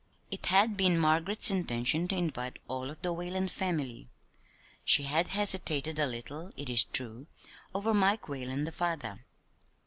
It had been Margaret's intention to invite all of the Whalen family. She had hesitated a little, it is true, over Mike Whalen, the father.